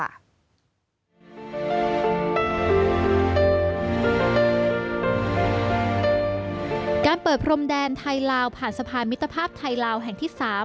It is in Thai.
การเปิดพรมแดนไทยลาวผ่านสะพานมิตรภาพไทยลาวแห่งที่๓